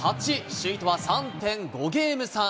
首位とは３．５ゲーム差。